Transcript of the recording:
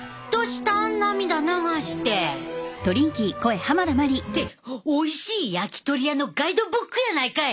涙流して。っておいしい焼き鳥屋のガイドブックやないかい！